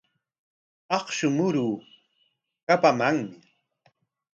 Akshu muruu kapamanmi.